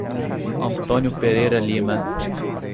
Antônio Pereira Lima